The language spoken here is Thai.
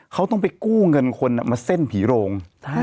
เขาต้องไปกู้เงินคนมาเส้นผีโรง